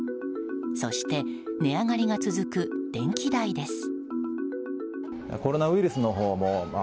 そして値上がりが続く電気代です。